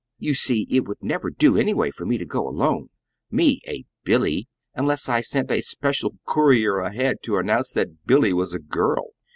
You see it would never do, anyway, for me to go alone me, a 'Billy' unless I sent a special courier ahead to announce that 'Billy' was a girl.